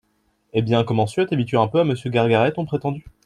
Eh bien, commences-tu à t’habituer un peu à Monsieur Gargaret, ton prétendu ?